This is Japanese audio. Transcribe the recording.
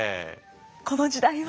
この時代は。